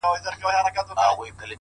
زحمت د خوبونو ژوندي ساتونکی دی’